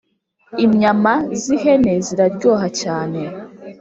imyama z'ihena ziraryoha cyane